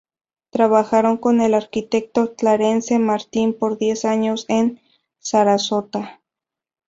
Trabajaron con el arquitecto Clarence Martin por diez años en Sarasota.